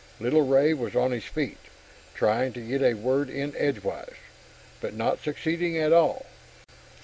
Little Ray was on his feet, trying to get a word in edgewise, but not succeeding at all.